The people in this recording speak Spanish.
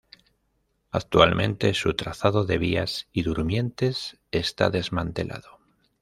Actualmente su trazado de vías y durmientes está desmantelado.